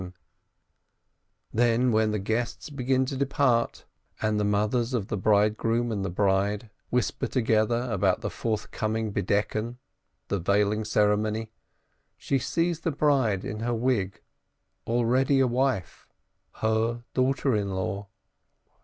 Then, then, when the guests begin to depart, and the mothers of bridegroom and bride whisper together about the forthcoming Veiling Ceremony, she sees the bride in her wig, already a wife, her daughter in law!